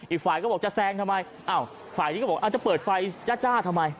อีกฝ่ายก็บอกจะแซงทำไมอ้าวฝ่ายนี้ก็บอกจะเปิดไฟจ้าทำไม